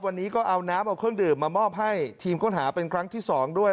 วันนี้ก็เอาน้ำเอาเครื่องดื่มมามอบให้ทีมค้นหาเป็นครั้งที่๒ด้วย